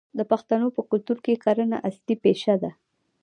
د پښتنو په کلتور کې کرنه اصلي پیشه ده.